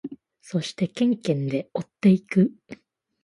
そしてケンケンで追っていく。